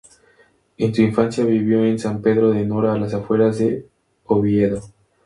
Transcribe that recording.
En su infancia vivió en San Pedro de Nora, a las afueras de Oviedo.